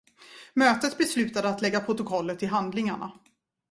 Mötet beslutade att lägga protokollet till handlingarna.